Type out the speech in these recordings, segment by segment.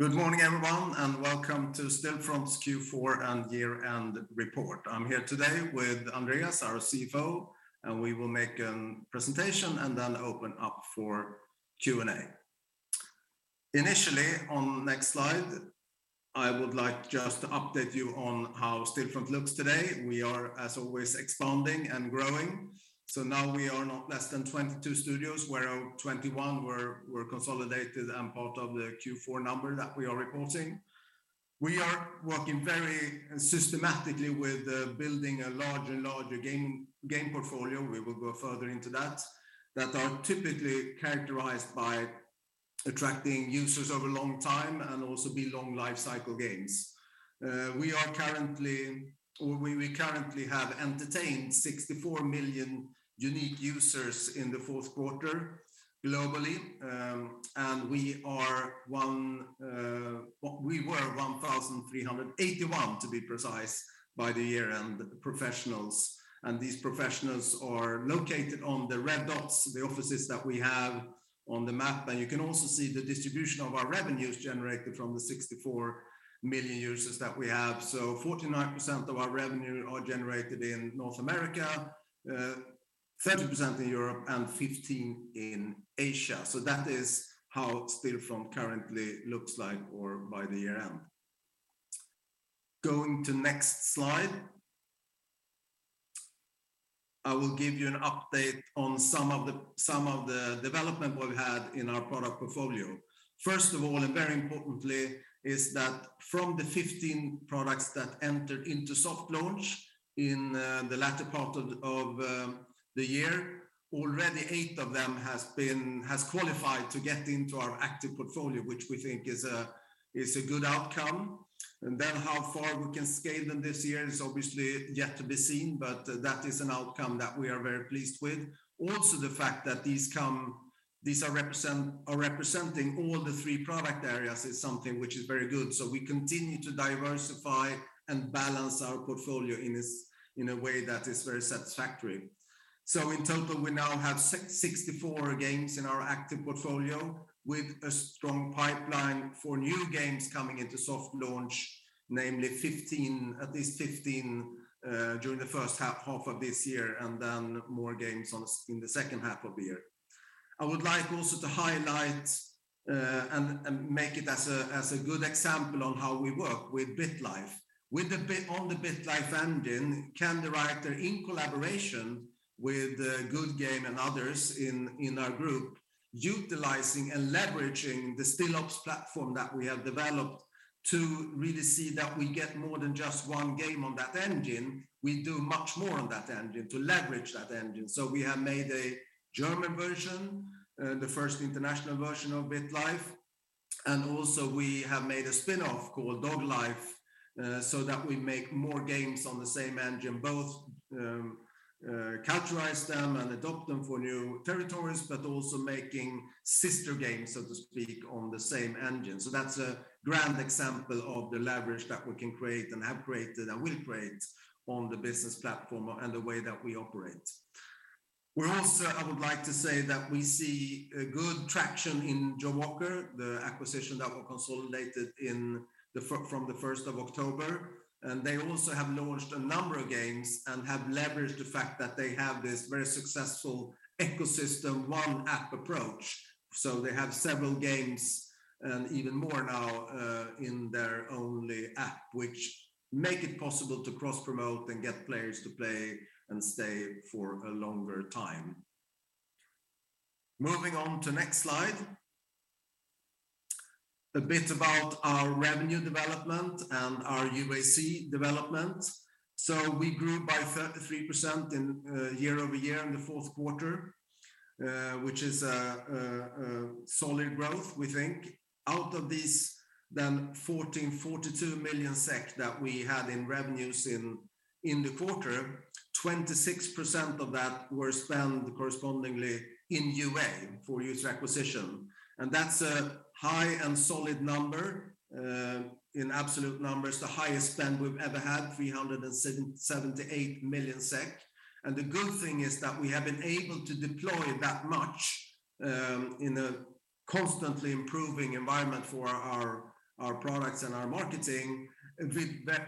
Good morning, everyone, and welcome to Stillfront's Q4 and year-end report. I'm here today with Andreas, our CFO, and we will make a presentation and then open up for Q&A. Initially, on next slide, I would like just to update you on how Stillfront looks today. We are, as always, expanding and growing, so now we are not less than 22 studios, whereof 21 were consolidated and part of the Q4 number that we are reporting. We are working very systematically with building a larger and larger game portfolio, we will go further into that are typically characterized by attracting users over long time and also be long lifecycle games. We currently have entertained 64 million unique users in the fourth quarter globally, and we were 1,381, to be precise, by the year-end professionals, and these professionals are located on the red dots, the offices that we have on the map. You can also see the distribution of our revenues generated from the 64 million users that we have. 49% of our revenue are generated in North America, 30% in Europe, and 15% in Asia. That is how Stillfront currently looks like or by the year-end. Going to next slide. I will give you an update on some of the development we've had in our product portfolio. First of all, and very importantly, is that from the 15 products that entered into soft launch in the latter part of the year, already eight of them has qualified to get into our active portfolio, which we think is a good outcome. How far we can scale them this year is obviously yet to be seen, but that is an outcome that we are very pleased with. Also, the fact that these are representing all the three product areas is something which is very good. We continue to diversify and balance our portfolio in a way that is very satisfactory. In total, we now have 64 games in our active portfolio with a strong pipeline for new games coming into soft launch, namely 15, at least 15, during the first half of this year, and then more games in the second half of the year. I would like also to highlight and make it as a good example on how we work with BitLife. With the BitLife engine, Candywriter in collaboration with Goodgame and others in our group, utilizing and leveraging the Stillops platform that we have developed to really see that we get more than just one game on that engine, we do much more on that engine to leverage that engine. We have made a German version, the first international version of BitLife, and also we have made a spinoff called DogLife, so that we make more games on the same engine, both characterize them and adopt them for new territories, but also making sister games, so to speak, on the same engine. That's a grand example of the leverage that we can create, and have created, and will create on the business platform and the way that we operate. I would like to say that we see good traction in Jawaker, the acquisition that were consolidated from the 1st of October. They also have launched a number of games and have leveraged the fact that they have this very successful ecosystem one-app approach. They have several games and even more now, in their only app, which make it possible to cross-promote and get players to play and stay for a longer time. Moving on to next slide. A bit about our revenue development and our UAC development. We grew by 33% year-over-year in the fourth quarter, which is a solid growth, we think. Out of these then 42 million SEK that we had in revenues in the quarter, 26% of that were spent correspondingly in UA for user acquisition. That's a high and solid number. In absolute numbers, the highest spend we've ever had, 378 million SEK. The good thing is that we have been able to deploy that much in a constantly improving environment for our products and our marketing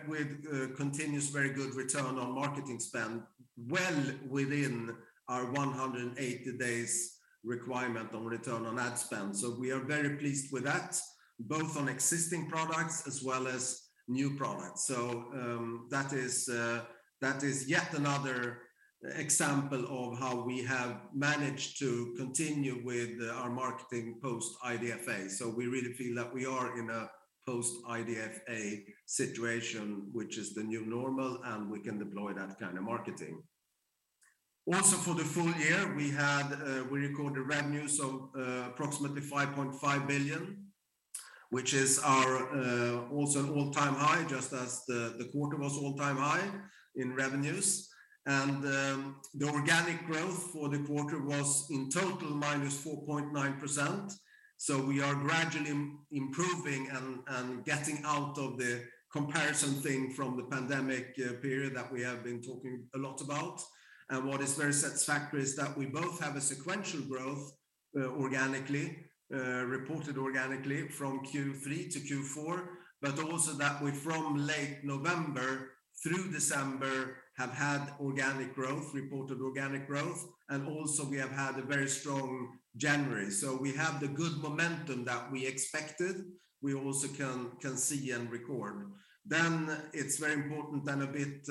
with continuous very good return on marketing spend well within our 180 days requirement on return on ad spend. We are very pleased with that, both on existing products as well as new products. That is yet another example of how we have managed to continue with our marketing post-IDFA. We really feel that we are in a post-IDFA situation, which is the new normal, and we can deploy that kind of marketing. Also, for the full year, we recorded revenues of approximately 5.5 billion, which is also an all-time high, just as the quarter was all-time high in revenues. The organic growth for the quarter was in total -4.9%, so we are gradually improving and getting out of the comparison thing from the pandemic period that we have been talking a lot about. What is very satisfactory is that we both have a sequential growth organically, reported organically from Q3 to Q4, but also that we from late November through December have had organic growth, reported organic growth, and also we have had a very strong January. We have the good momentum that we expected, we also can see and record. It is very important and a bit,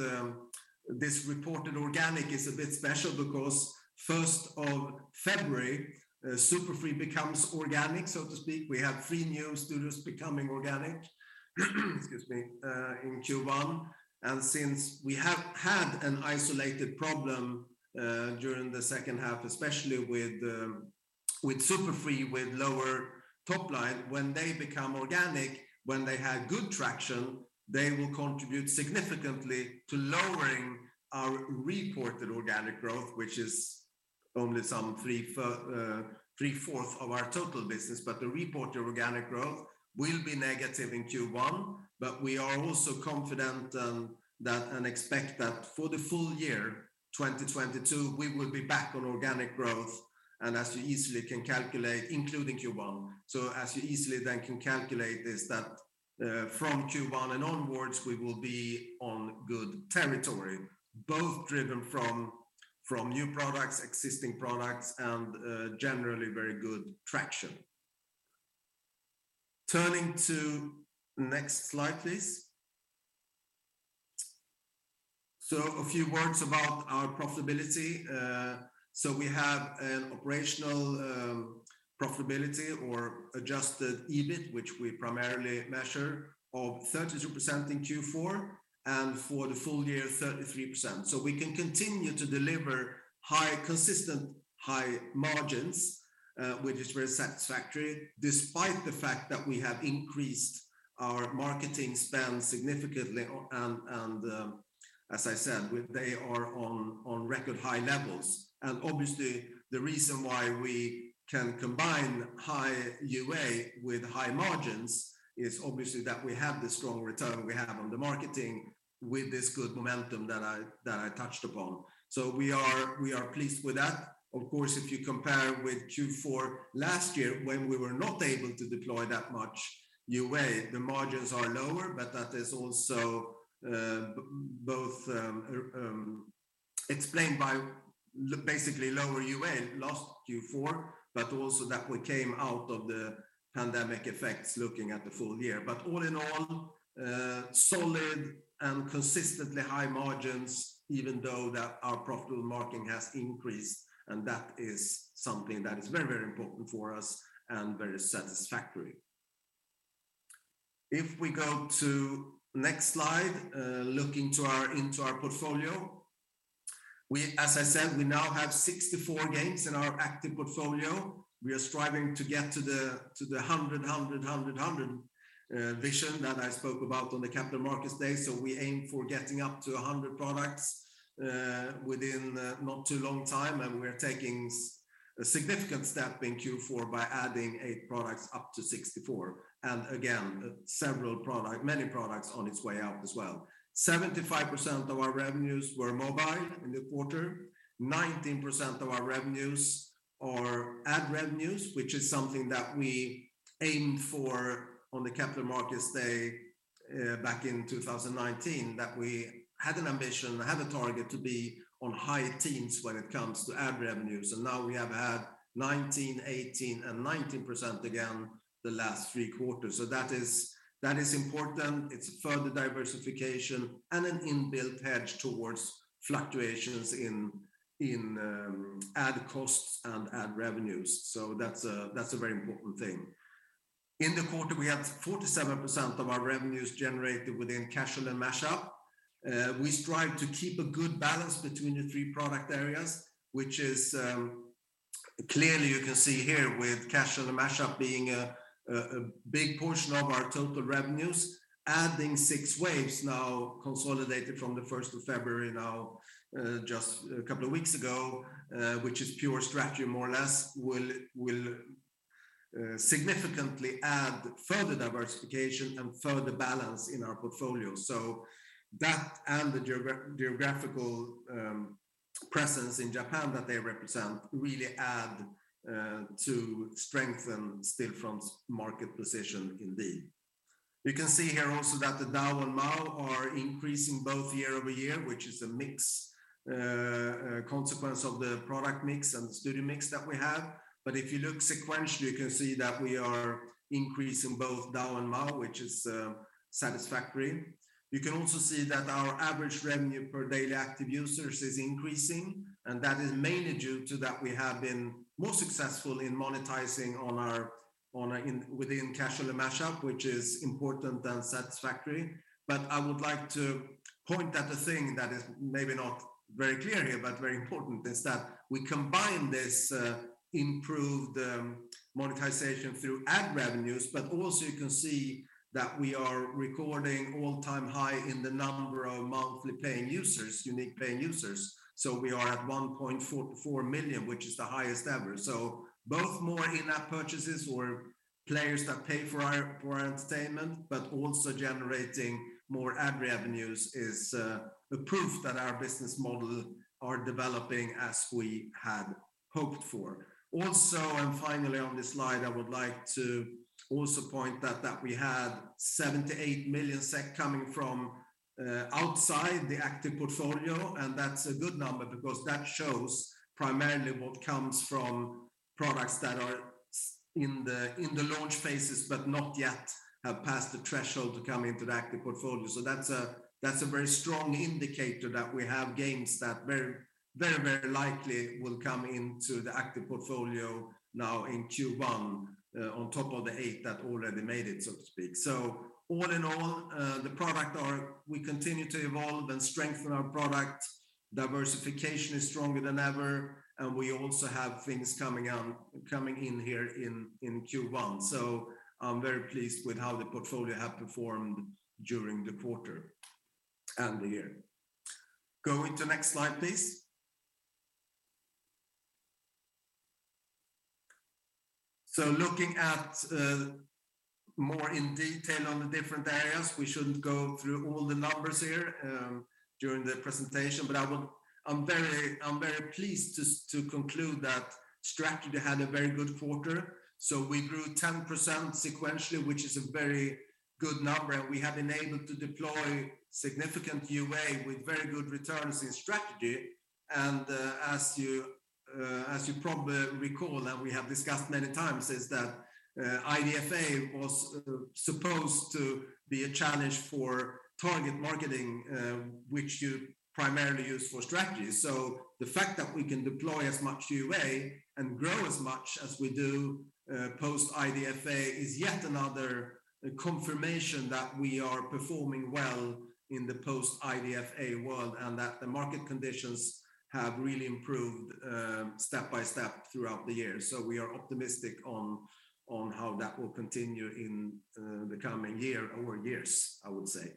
this reported organic is a bit special because first of February, Super Free Games becomes organic, so to speak. We have three new studios becoming organic in Q1. Since we have had an isolated problem during the second half, especially with Super Free Games with lower top line, when they become organic, when they have good traction, they will contribute significantly to lowering our reported organic growth, which is only some 3/4 of our total business. The reported organic growth will be negative in Q1, but we are also confident that and expect that for the full year 2022, we will be back on organic growth, and as you easily can calculate including Q1. As you easily then can calculate is that from Q1 and onwards, we will be on good territory, both driven from new products, existing products and generally very good traction. Turning to next slide, please. A few words about our profitability. We have an operational profitability or adjusted EBIT, which we primarily measure of 32% in Q4, and for the full year, 33%. We can continue to deliver high, consistent high margins, which is very satisfactory despite the fact that we have increased our marketing spend significantly and, as I said, they are on record high levels. Obviously the reason why we can combine high UA with high margins is obviously that we have the strong return we have on the marketing with this good momentum that I touched upon. We are pleased with that. Of course, if you compare with Q4 last year when we were not able to deploy that much UA, the margins are lower, but that is also both explained by basically lower UA last Q4, but also that we came out of the pandemic effects looking at the full year. All in all, solid and consistently high margins even though that our profitable marketing has increased, and that is something that is very, very important for us and very satisfactory. If we go to next slide, looking into our portfolio. We, as I said, now have 64 games in our active portfolio. We are striving to get to the 100 vision that I spoke about on the Capital Markets Day. We aim for getting up to 100 products within not too long time, and we're taking a significant step in Q4 by adding eight products up to 64, and again, many products on its way out as well. 75% of our revenues were mobile in the quarter. 19% of our revenues are ad revenues, which is something that we aimed for on the Capital Markets Day back in 2019, that we had an ambition, had a target to be on high teens when it comes to ad revenues, and now we have had 19%, 18%, and 19% again the last three quarters. That is important. It's further diversification and an inbuilt hedge towards fluctuations in ad costs and ad revenues. That's a very important thing. In the quarter, we had 47% of our revenues generated within Casual and Mashup. We strive to keep a good balance between the three product areas, which is clearly you can see here with Casual and Mashup being a big portion of our total revenues. Adding 6waves now consolidated from the 1st of February now just a couple of weeks ago, which is pure Strategy more or less, will significantly add further diversification and further balance in our portfolio. That and the geographical presence in Japan that they represent really add to strengthen Stillfront's market position indeed. You can see here also that the DAU and MAU are increasing both year-over-year, which is a mix a consequence of the product mix and studio mix that we have. If you look sequentially, you can see that we are increasing both DAU and MAU, which is satisfactory. You can also see that our average revenue per daily active users is increasing, and that is mainly due to that we have been more successful in monetizing within Casual and Mashup, which is important and satisfactory. I would like to point at a thing that is maybe not very clear here, but very important, is that we combine this improved monetization through ad revenues. Also you can see that we are recording all-time high in the number of monthly paying users, unique paying users. We are at 1.44 million, which is the highest ever. Both more in-app purchases Players that pay for our entertainment also generating more ad revenues is a proof that our business model are developing as we had hoped for. Finally on this slide, I would like to also point that we had 78 million SEK coming from outside the active portfolio, and that's a good number because that shows primarily what comes from products that are in the launch phases, but not yet have passed the threshold to come into the active portfolio. That's a very strong indicator that we have games that very likely will come into the active portfolio now in Q1 on top of the eight that already made it, so to speak. All in all, the product we continue to evolve and strengthen our product. Diversification is stronger than ever, and we also have things coming out, coming in here in Q1. I'm very pleased with how the portfolio have performed during the quarter and the year. Go into next slide, please. Looking at more in detail on the different areas, we shouldn't go through all the numbers here during the presentation, but I'm very pleased to conclude that Strategy had a very good quarter. We grew 10% sequentially, which is a very good number, and we have been able to deploy significant UA with very good returns in Strategy. As you probably recall that we have discussed many times is that IDFA was supposed to be a challenge for target marketing, which you primarily use for Strategy. The fact that we can deploy as much UA and grow as much as we do post-IDFA is yet another confirmation that we are performing well in the post-IDFA world, and that the market conditions have really improved step by step throughout the year. We are optimistic on how that will continue in the coming year or years, I would say.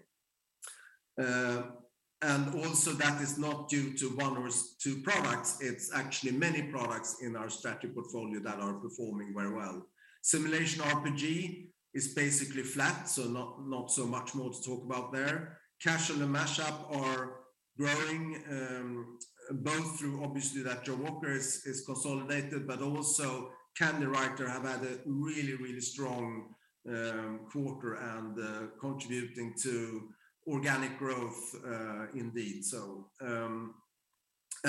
Also that is not due to one or two products, it's actually many products in our Strategy portfolio that are performing very well. Simulation RPG is basically flat, so not so much more to talk about there. Casual & Mashup are growing both through obviously that Jawaker is consolidated, but also Candywriter have had a really strong quarter and contributing to organic growth indeed.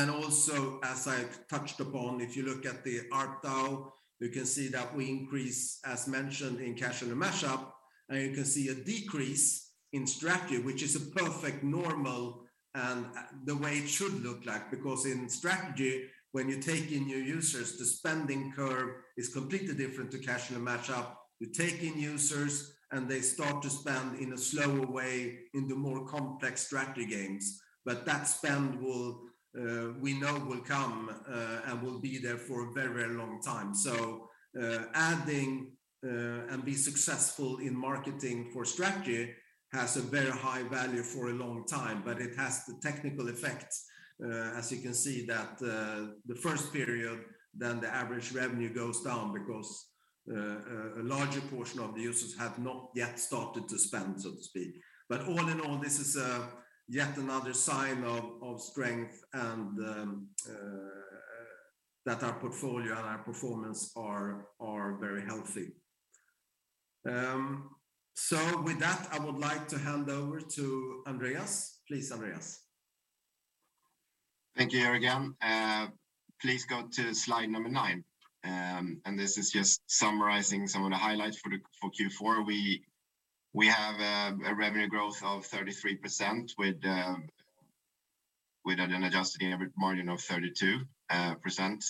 As I've touched upon, if you look at the ARPDAU, you can see that we increase, as mentioned in Casual & Mashup, and you can see a decrease in Strategy, which is perfectly normal and the way it should look like. Because in Strategy, when you take in new users, the spending curve is completely different to Casual & Mashup. You take in users, and they start to spend in a slower way in the more complex Strategy games. But that spend will, we know, come and will be there for a very long time. Adding and be successful in marketing for Strategy has a very high value for a long time, but it has the technical effects, as you can see that the first period then the average revenue goes down because a larger portion of the users have not yet started to spend, so to speak. All in all, this is yet another sign of strength and that our portfolio and our performance are very healthy. With that, I would like to hand over to Andreas. Please, Andreas. Thank you, Jörgen. Please go to slide number nine. This is just summarizing some of the highlights for Q4. We have a revenue growth of 33% with an adjusted margin of 32%.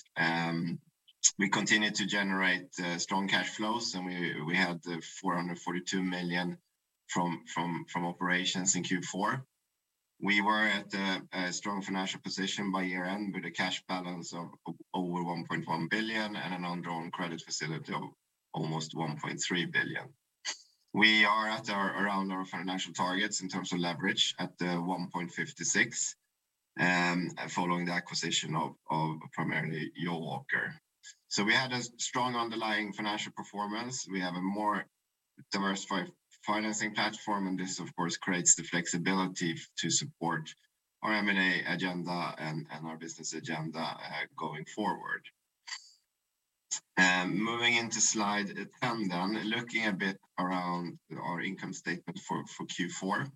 We continue to generate strong cash flows, and we had 442 million from operations in Q4. We were at a strong financial position by year-end with a cash balance of over 1.1 billion and an undrawn credit facility of almost 1.3 billion. We are around our financial targets in terms of leverage at 1.56 following the acquisition of primarily Jawaker. We had a strong underlying financial performance. We have a more diversified financing platform, and this of course creates the flexibility to support our M&A agenda and our business agenda going forward. Moving into slide 10, looking a bit around our income statement for Q4.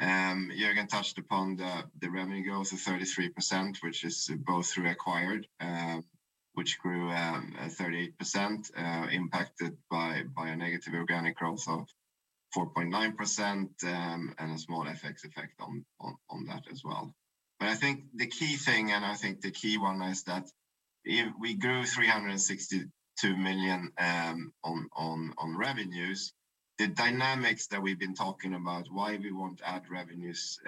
Jörgen touched upon the revenue growth of 33%, which is both through acquired, which grew 38%, impacted by a negative organic growth of 4.9%, and a small FX effect on that as well. I think the key thing, and I think the key one is that if we grew 362 million on revenues, the dynamics that we've been talking about, why we want ad revenues,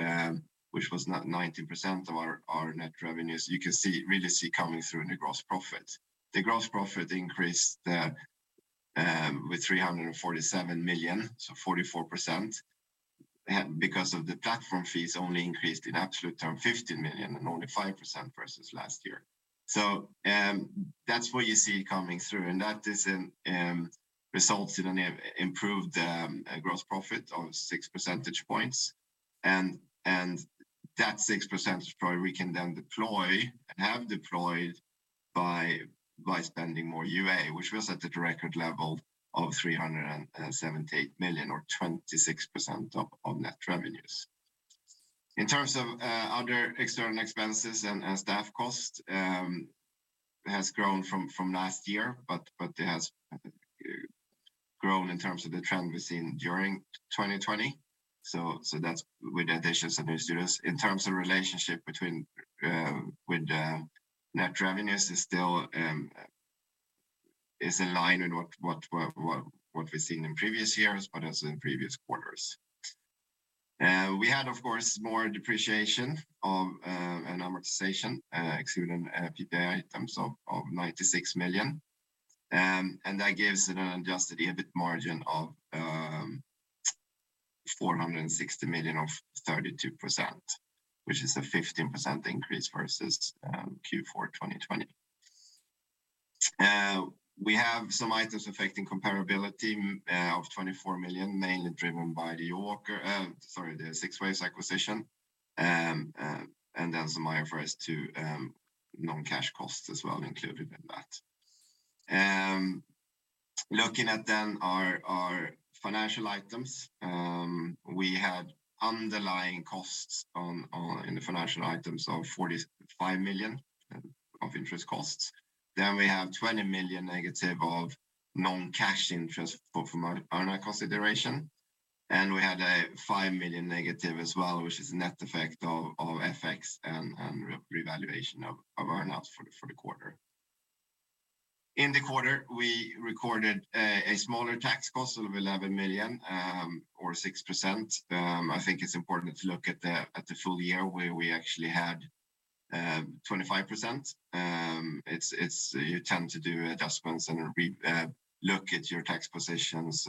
which was 90% of our net revenues, you can really see coming through in the gross profit. The gross profit increased with 347 million, so 44%. Because the platform fees only increased in absolute terms 50 million and only 5% versus last year. That's what you see coming through, and that results in an improved gross profit of 6 percentage points. That 6% probably we can then deploy, have deployed by spending more UA, which was at a record level of 378 million or 26% of net revenues. In terms of other external expenses and staff cost has grown from last year, but it has grown in terms of the trend we've seen during 2020. That's with the additions of new studios. In terms of relationship between with net revenues is still in line with what we've seen in previous years, but as in previous quarters. We had, of course, more depreciation and amortization excluding PPA items of 96 million. That gives an adjusted EBIT margin of 460 million of 32%, which is a 15% increase versus Q4 2020. We have some items affecting comparability of 24 million, mainly driven by the 6waves acquisition, and then some IFRS 16 non-cash costs as well included in that. Looking at our financial items, we had underlying costs in the financial items of 45 million of interest costs. We have -20 million of non-cash interest from our earnout consideration. We had a -5 million as well, which is net effect of FX and revaluation of earnouts for the quarter. In the quarter, we recorded a smaller tax cost of 11 million or 6%. I think it's important to look at the full year where we actually had 25%. You tend to do adjustments and look at your tax positions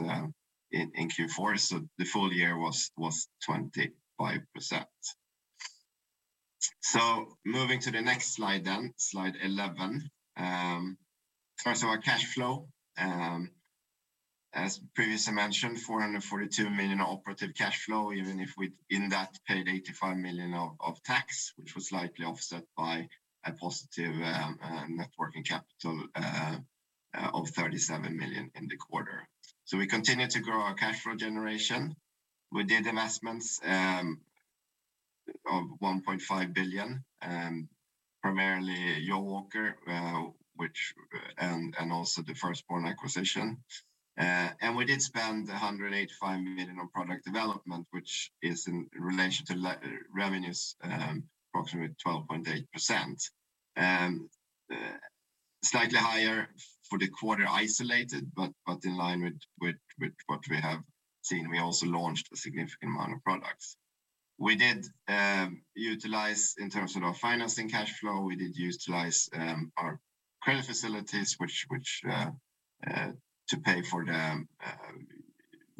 in Q4. The full year was 25%. Moving to the next slide, Slide 11. First, our cash flow, as previously mentioned, 442 million operating cash flow, even if we in that paid 85 million of tax, which was slightly offset by a positive net working capital of 37 million in the quarter. We continue to grow our cash flow generation. We did investments of 1.5 billion, primarily Jawaker, and also the Firstborn acquisition. We did spend 185 million on product development, which is in relation to revenues, approximately 12.8%. Slightly higher for the isolated quarter, but in line with what we have seen. We also launched a significant amount of products. We utilized, in terms of our financing cash flow, our credit facilities to pay for the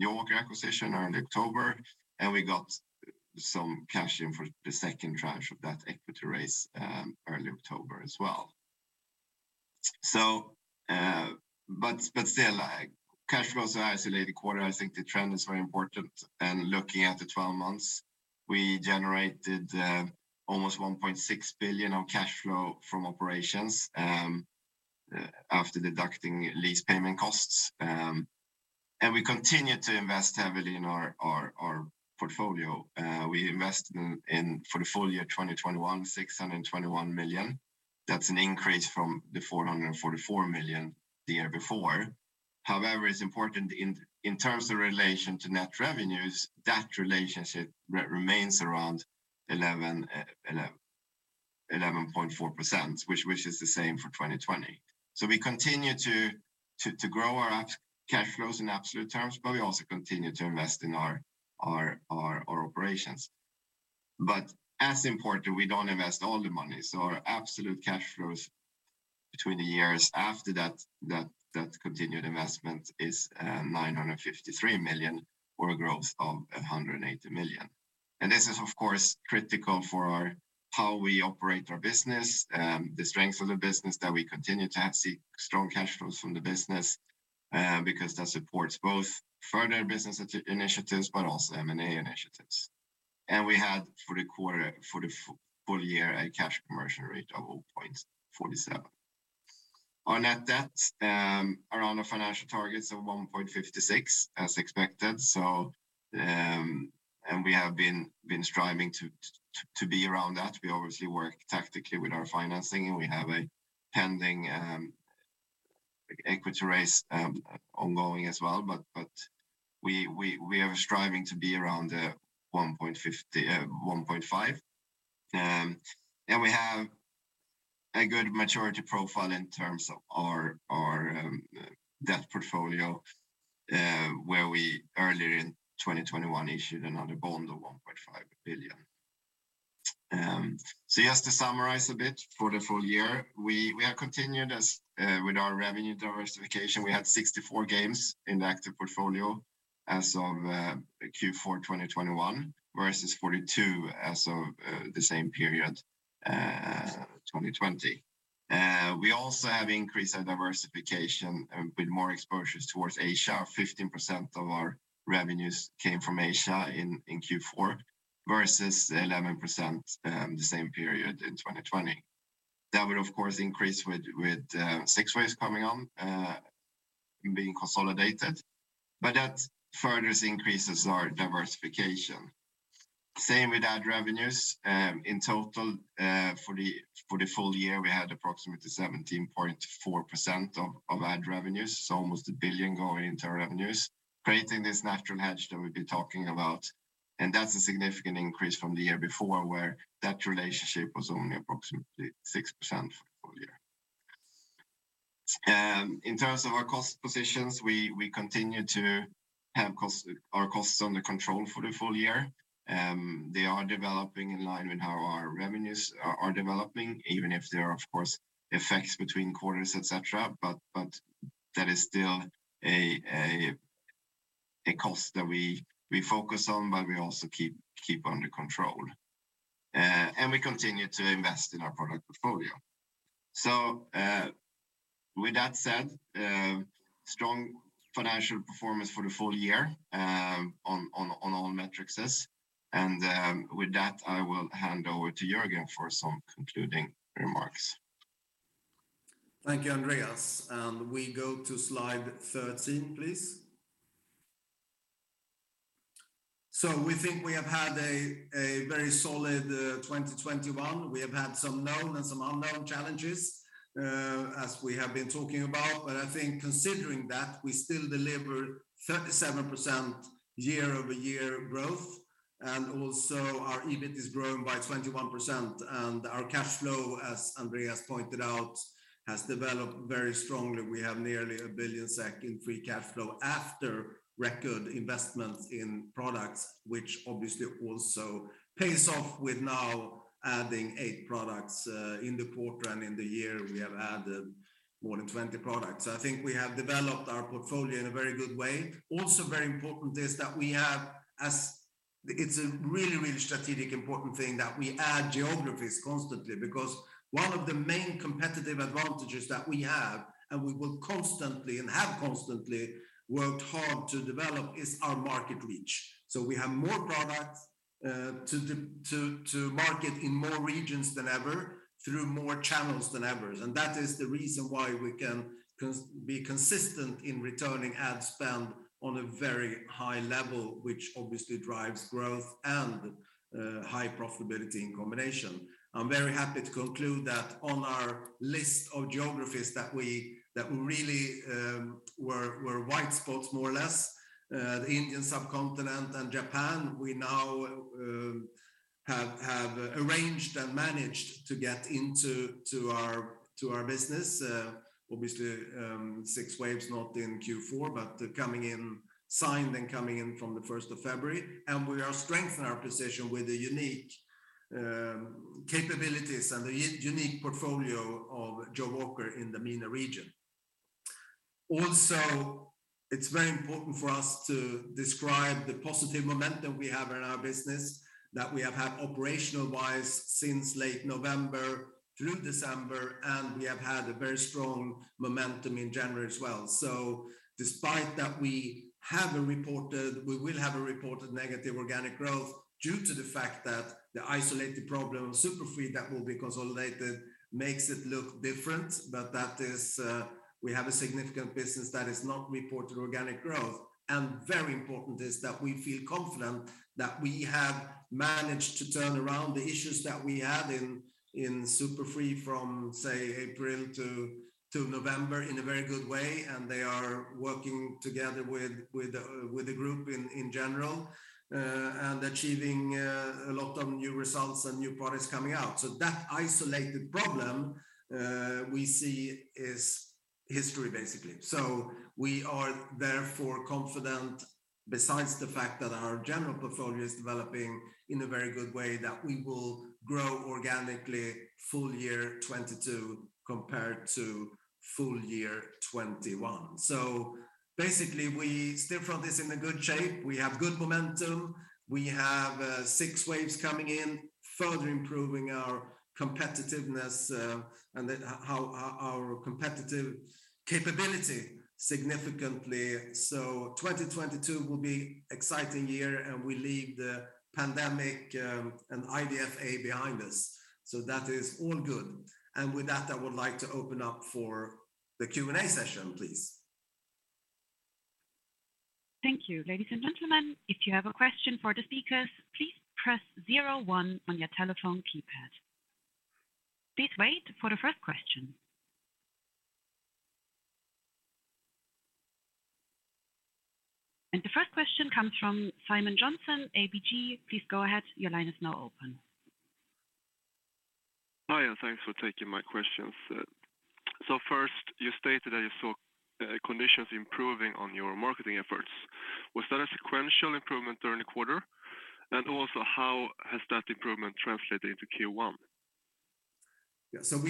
Jawaker acquisition early October, and we got some cash in for the second tranche of that equity raise early October as well. Still, cash flows for the isolated quarter. I think the trend is very important. Looking at the twelve months, we generated almost 1.6 billion of cash flow from operations after deducting lease payment costs. We continued to invest heavily in our portfolio. We invested, for the full year 2021, 621 million. That's an increase from the 444 million the year before. However, it's important in terms of relation to net revenues, that relationship remains around 11.4%, which is the same for 2020. We continue to grow our app cash flows in absolute terms, but we also continue to invest in our operations. As important, we don't invest all the money. Our absolute cash flows between the years after that continued investment is 953 million, or a growth of 180 million. This is of course critical for how we operate our business, the strength of the business that we continue to have strong cash flows from the business because that supports both further business initiatives, but also M&A initiatives. We had for the full year a cash conversion rate of 0.47. Our net debt around the financial targets of 1.56 as expected. We have been striving to be around that. We obviously work tactically with our financing, and we have a pending equity raise ongoing as well. We are striving to be around 1.5. We have a good maturity profile in terms of our debt portfolio, where we earlier in 2021 issued another bond of 1.5 billion. Just to summarize a bit for the full year, we have continued with our revenue diversification. We had 64 games in the active portfolio as of Q4 2021 versus 42 as of the same period 2020. We also have increased our diversification with more exposures towards Asia. 15% of our revenues came from Asia in Q4 versus 11% the same period in 2020. That would of course increase with 6waves coming on and being consolidated, but that further increases our diversification. Same with ad revenues. In total, for the full year, we had approximately 17.4% of ad revenues, so almost 1 billion going into our revenues, creating this natural hedge that we've been talking about. That's a significant increase from the year before where that relationship was only approximately 6% for the full year. In terms of our cost positions, we continue to have our costs under control for the full year. They are developing in line with how our revenues are developing, even if there are of course effects between quarters, et cetera. That is still a cost that we focus on, but we also keep under control. We continue to invest in our product portfolio. With that said, strong financial performance for the full year, on all metrics. With that, I will hand over to Jörgen for some concluding remarks. Thank you, Andreas. We go to slide 13, please. We think we have had a very solid 2021. We have had some known and some unknown challenges as we have been talking about. I think considering that, we still delivered 37% year-over-year growth, and also our EBIT is growing by 21% and our cash flow, as Andreas pointed out, has developed very strongly. We have nearly 1 billion SEK in free cash flow after record investments in products, which obviously also pays off with now adding eight products in the quarter and in the year we have added more than 20 products. I think we have developed our portfolio in a very good way. Very important is that we have—it's a really, really strategically important thing that we add geographies constantly because one of the main competitive advantages that we have, and we will constantly and have constantly worked hard to develop, is our market reach. We have more products to market in more regions than ever through more channels than ever. That is the reason why we can be consistent in returning ad spend on a very high level, which obviously drives growth and high profitability in combination. I'm very happy to conclude that on our list of geographies that we really were white spots more or less, the Indian subcontinent and Japan, we now have arranged and managed to get into our business. Obviously, 6waves not in Q4, but signed and coming in from the 1st of February. We are strengthening our position with the unique capabilities and the unique portfolio of Jawaker in the MENA region. It's very important for us to describe the positive momentum we have in our business that we have had operational-wise since late November through December, and we have had a very strong momentum in January as well. Despite that we will have a reported negative organic growth due to the fact that the isolated problem of Super Free Games that will be consolidated makes it look different, but that is, we have a significant business that is not reported organic growth. Very important is that we feel confident that we have managed to turn around the issues that we had in Super Free Games from, say, April to November in a very good way, and they are working together with the group in general, and achieving a lot of new results and new products coming out. That isolated problem we see is history basically. We are therefore confident, besides the fact that our general portfolio is developing in a very good way, that we will grow organically full year 2022 compared to full year 2021. Basically we still from this in a good shape. We have good momentum. We have 6waves coming in, further improving our competitiveness, and then how our competitive capability significantly. 2022 will be exciting year, and we leave the pandemic and IDFA behind us, so that is all good. With that, I would like to open up for the Q&A session, please. Thank you. Ladies and gentlemen, if you have a question for the speakers, please press zero one on your telephone keypad. Please wait for the first question. The first question comes from Simon Jonsson, ABG. Please go ahead. Your line is now open. Hi, thanks for taking my questions. First, you stated that you saw conditions improving on your marketing efforts. Was that a sequential improvement during the quarter? Also, how has that improvement translated into Q1? Yeah.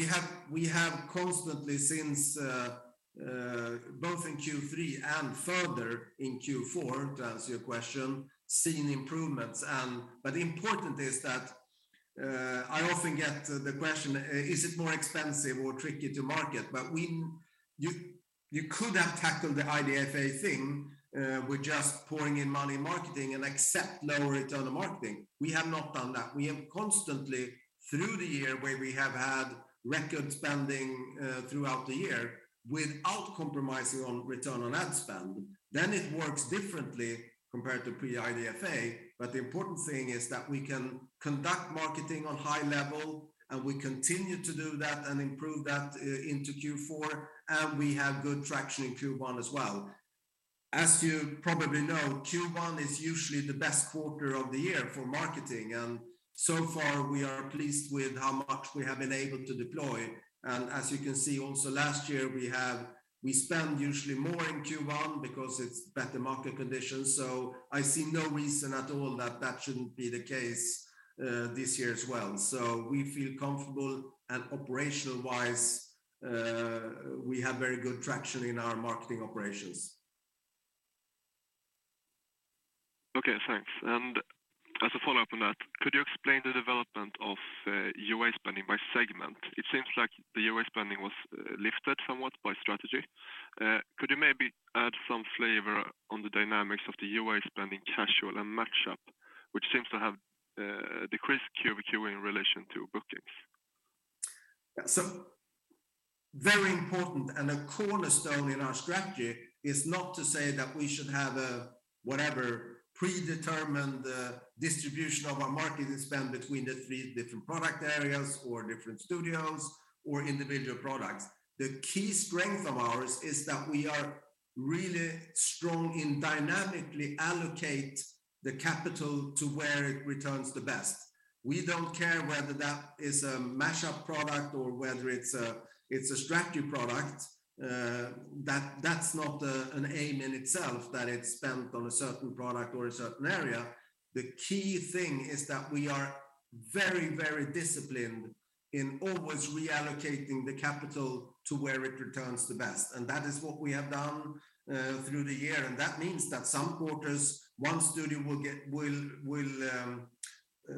We have constantly since both in Q3 and further in Q4, to answer your question, seen improvements. Important is that, I often get the question, is it more expensive or tricky to market? You could have tackled the IDFA thing, with just pouring in money in marketing and accept lower return on marketing. We have not done that. We have constantly through the year where we have had record spending, throughout the year without compromising on return on ad spend. It works differently compared to pre-IDFA. The important thing is that we can conduct marketing on high level, and we continue to do that and improve that into Q4, and we have good traction in Q1 as well. As you probably know, Q1 is usually the best quarter of the year for marketing, and so far we are pleased with how much we have been able to deploy. As you can see also last year we spend usually more in Q1 because it's better market conditions. I see no reason at all that shouldn't be the case this year as well. We feel comfortable and operational-wise we have very good traction in our marketing operations. Okay, thanks. As a follow-up on that, could you explain the development of UA spending by segment? It seems like the UA spending was lifted somewhat by Strategy. Could you maybe add some flavor on the dynamics of the UA spending Casual & Mashup, which seems to have decreased quarter-over-quarter in relation to bookings? Very important and a cornerstone in our strategy is not to say that we should have a whatever predetermined distribution of our marketing spend between the three different product areas or different studios or individual products. The key strength of ours is that we are really strong in dynamically allocate the capital to where it returns the best. We don't care whether that is a Mashup product or whether it's a Strategy product, that's not an aim in itself that it's spent on a certain product or a certain area. The key thing is that we are very, very disciplined in always reallocating the capital to where it returns the best, and that is what we have done through the year. That means that some quarters one studio will get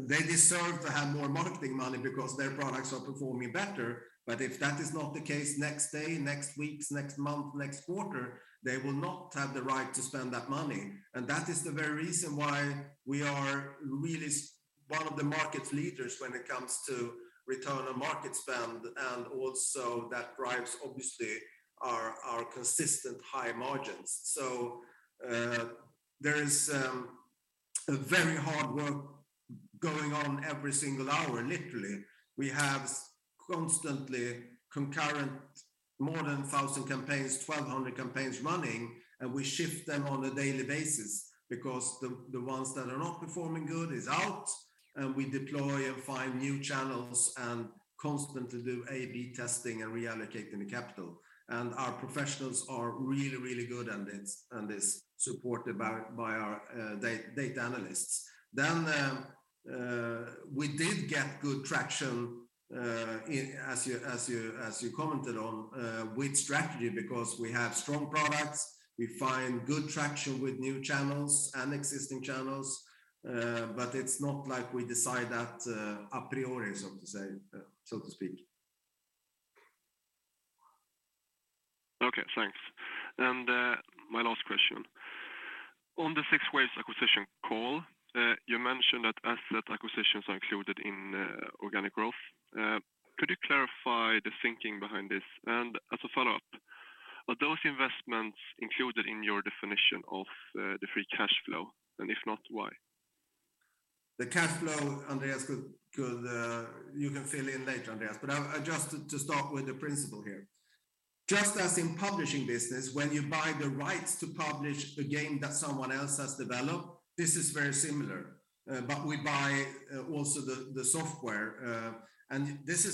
they deserve to have more marketing money because their products are performing better. If that is not the case next day, next weeks, next month, next quarter, they will not have the right to spend that money. That is the very reason why we are really one of the market's leaders when it comes to return on marketing spend, and also that drives obviously our consistent high margins. There is a very hard work going on every single hour, literally. We have constantly concurrent more than 1,000 campaigns, 1,200 campaigns running, and we shift them on a daily basis because the ones that are not performing good are out, and we deploy and find new channels and constantly do A/B testing and reallocating the capital. Our professionals are really good and it's supported by our data analysts. We did get good traction as you commented on with Strategy because we have strong products. We find good traction with new channels and existing channels, but it's not like we decide that a priori, so to say, so to speak. Okay, thanks. My last question: on the 6waves acquisition call, you mentioned that asset acquisitions are included in organic growth. Could you clarify the thinking behind this? As a follow-up, are those investments included in your definition of the free cash flow? If not, why? The cash flow, Andreas, you can fill in later, Andreas, but I just to start with the principle here. Just as in publishing business, when you buy the rights to publish a game that someone else has developed, this is very similar. We buy also the software. This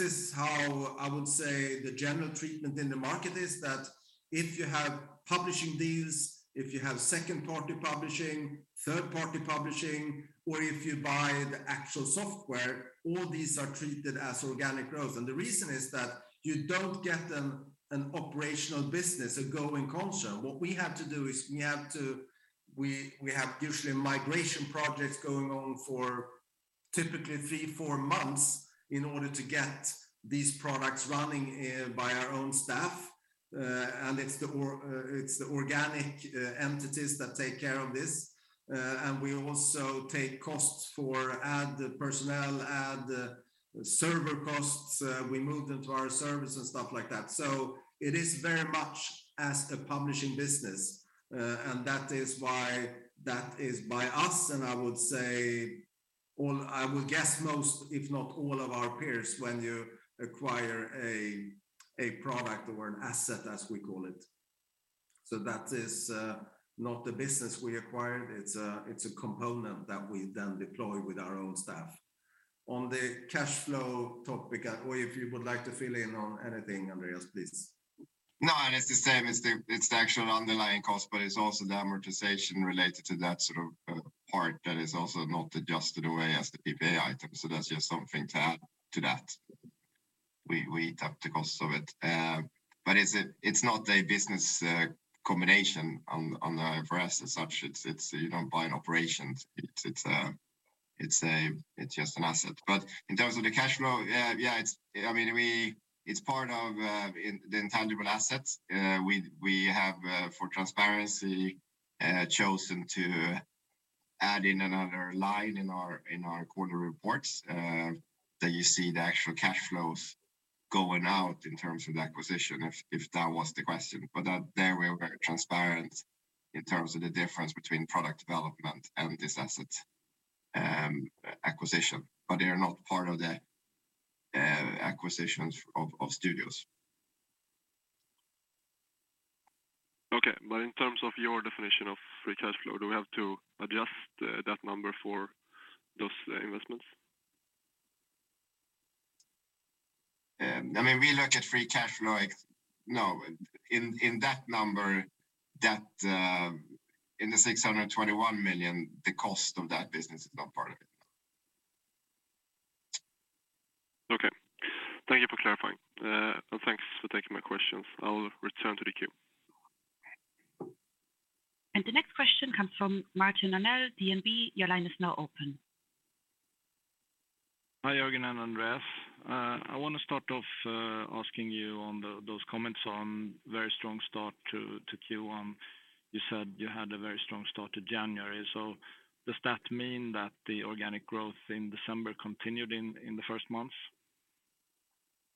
is how I would say the general treatment in the market is that if you have publishing deals, if you have second-party publishing, third-party publishing, or if you buy the actual software, all these are treated as organic growth. The reason is that you don't get an operational business, a going concern. What we have to do is we have usually migration projects going on for typically three, four months in order to get these products running by our own staff. It's the organic entities that take care of this. We also take costs for ad personnel, ad server costs. We move them to our servers and stuff like that. It is very much as a publishing business, and that is why that is by us, and I would say most if not all of our peers when you acquire a product or an asset as we call it. That is not the business we acquired. It's a component that we then deploy with our own staff. On the cash flow topic, or if you would like to fill in on anything, Andreas, please. No, it's the same as the actual underlying cost, but it's also the amortization related to that sort of part that is also not adjusted away as the PPA item. That's just something to add to that. We took the cost of it. It's not a business combination for us as such. You don't buy an operation. It's just an asset. In terms of the cash flow, yeah, it's. I mean, it's part of the intangible assets. We have, for transparency, chosen to add in another line in our quarterly reports that you see the actual cash flows going out in terms of the acquisition, if that was the question. There we are very transparent in terms of the difference between product development and this asset acquisition. They are not part of the acquisitions of studios. Okay. In terms of your definition of free cash flow, do we have to adjust that number for those investments? I mean, in that number, that in the 621 million, the cost of that business is not part of it. Okay. Thank you for clarifying. Thanks for taking my questions. I'll return to the queue. The next question comes from Martin Arnell, DNB. Your line is now open. Hi, Jörgen and Andreas. I wanna start off asking you on those comments on very strong start to Q1. You said you had a very strong start to January. Does that mean that the organic growth in December continued in the first months?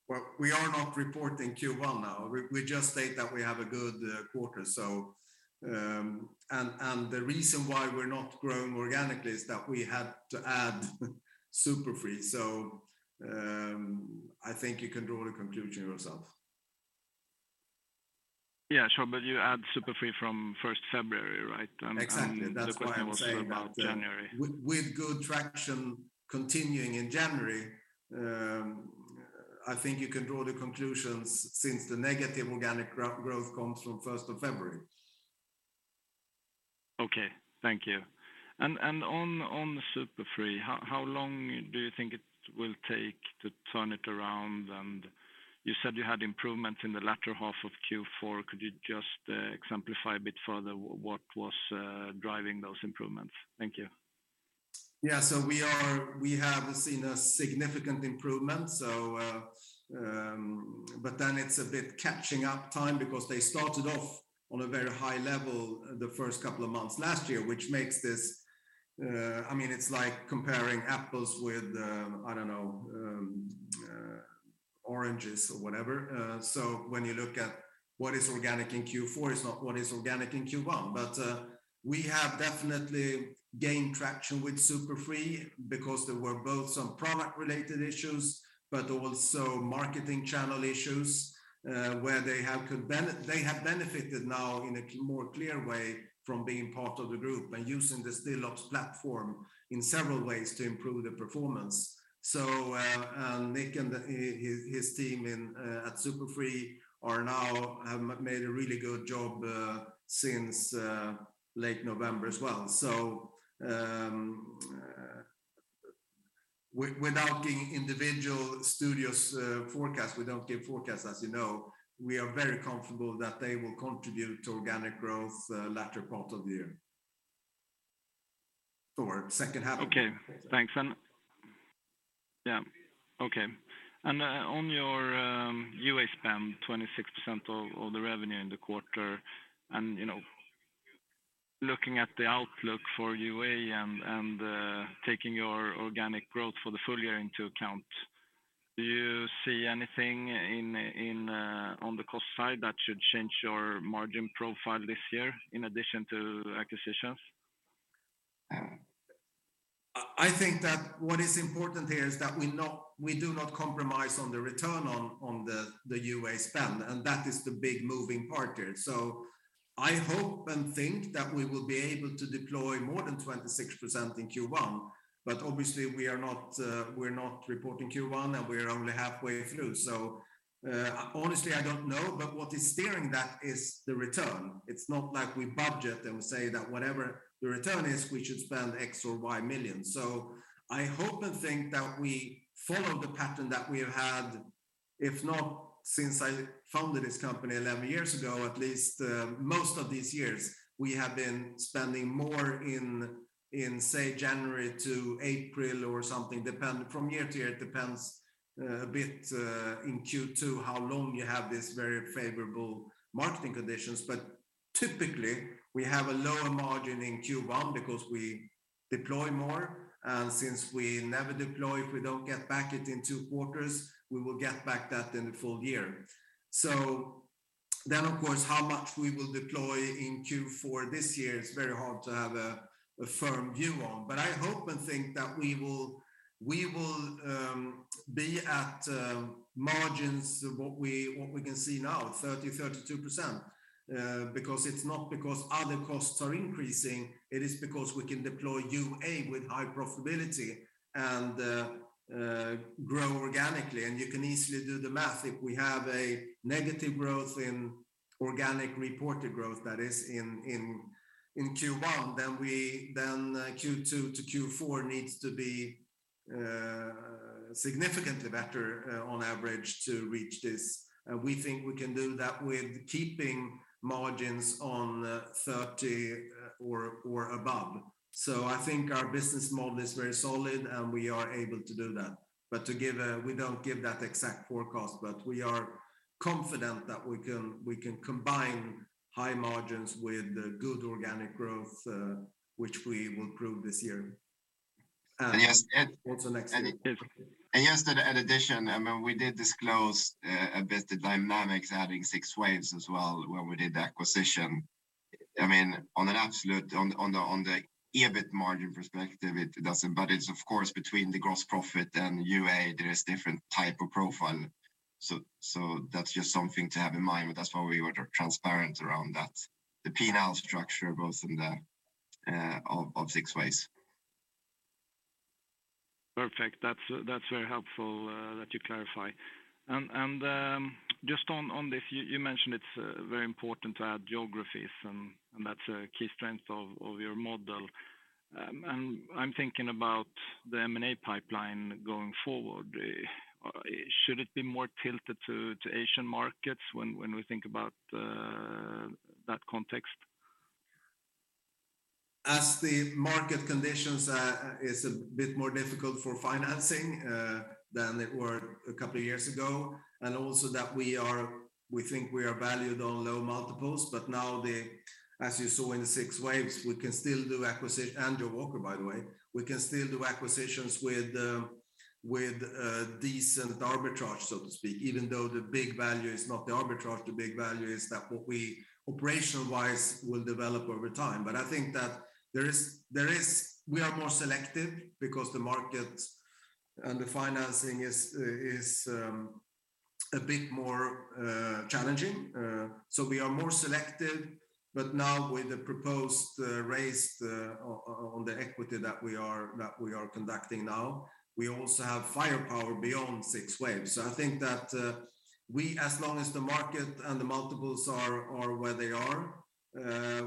Well, we are not reporting Q1 now. We just state that we have a good quarter. The reason why we aren't growing organically is that we have to add Super Free. I think you can draw the conclusion yourself. Yeah, sure. You add Super Free Games from first February, right? Exactly. That's why I'm saying that. The question was also about January. With good traction continuing in January, I think you can draw the conclusions since the negative organic growth comes from first of February. Okay. Thank you. On Super Free Games, how long do you think it will take to turn it around? You said you had improvements in the latter half of Q4. Could you just exemplify a bit further what was driving those improvements? Thank you. Yeah. We have seen a significant improvement. It's a bit catching up time because they started off on a very high level the first couple of months last year, which makes this I mean, it's like comparing apples with oranges or whatever. When you look at what is organic in Q4, it's not what is organic in Q1. We have definitely gained traction with Super Free because there were both some product-related issues, but also marketing channel issues, where they have benefited now in a more clear way from being part of the group and using the Stillops platform in several ways to improve the performance. Nick and his team at Super Free Games have made a really good job since late November as well. Without giving individual studios forecasts, we don't give forecasts, as you know, we are very comfortable that they will contribute to organic growth, latter part of the year or second half of the year. Okay. Thanks. Yeah. Okay. On your UA spend, 26% of the revenue in the quarter, you know, looking at the outlook for UA and taking your organic growth for the full year into account, do you see anything on the cost side that should change your margin profile this year in addition to acquisitions? I think that what is important here is that we do not compromise on the return on the UA spend, and that is the big moving part here. I hope and think that we will be able to deploy more than 26% in Q1, but obviously we're not reporting Q1, and we're only halfway through. Honestly, I don't know. What is steering that is the return. It's not like we budget and say that whatever the return is, we should spend X or Y million. I hope and think that we follow the pattern that we have had, if not since I founded this company 11 years ago, at least most of these years. We have been spending more in, say, January to April or something. From year to year, it depends a bit in Q2 how long you have this very favorable marketing conditions. Typically, we have a lower margin in Q1 because we deploy more, and since we never deploy if we don't get back it in two quarters, we will get back that in the full year. Of course, how much we will deploy in Q4 this year, it's very hard to have a firm view on. I hope and think that we will be at margins of what we can see now, 30%-32%. Because it's not because other costs are increasing, it is because we can deploy UA with high profitability and grow organically. You can easily do the math. If we have a negative growth in organic reported growth that is in Q1, then Q2 to Q4 needs to be significantly better on average to reach this. We think we can do that with keeping margins on 30% or above. I think our business model is very solid, and we are able to do that. We don't give that exact forecast, but we are confident that we can combine high margins with good organic growth, which we will prove this year. Yes. What's the next thing? Yes, in addition, I mean, we did disclose a bit the dynamics adding 6waves as well when we did the acquisition. I mean, on an absolute on the EBIT margin perspective, it doesn't. It's of course between the gross profit and UA, there is different type of profile. That's just something to have in mind, but that's why we were transparent around that. The P&L structure both in the of 6waves. Perfect. That's very helpful that you clarify. Just on this, you mentioned it's very important to add geographies and that's a key strength of your model. I'm thinking about the M&A pipeline going forward. Should it be more tilted to Asian markets when we think about that context? As the market conditions are a bit more difficult for financing than they were a couple of years ago, and also that we think we are valued on low multiples. Now, as you saw in 6waves, we can still do acquisition, and Jawaker, by the way, we can still do acquisitions with decent arbitrage, so to speak, even though the big value is not the arbitrage, the big value is that what we operational-wise will develop over time. I think we are more selective because the market and the financing is a bit more challenging. We are more selective. Now with the proposed raise on the equity that we are conducting now, we also have firepower beyond 6waves. I think that we as long as the market and the multiples are where they are,